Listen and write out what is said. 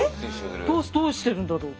どうしてるんだろう？